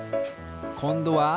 こんどは？